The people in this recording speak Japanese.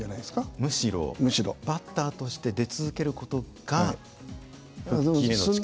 むしろバッターとして出続けることが復帰への近道？